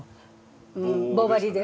棒針で？